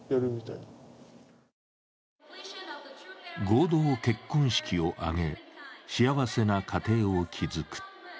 合同結婚式を挙げ、幸せな家庭を築く。